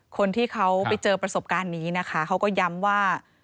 คนที่เขาไปเจอประสบการณ์นี้นะคะเขาก็ย้ำว่า